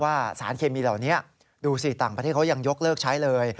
สารเคมีเหล่านี้ดูสิต่างประเทศเขายังยกเลิกใช้เลย